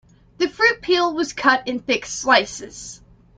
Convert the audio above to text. The fruit peel was cut in thick slices.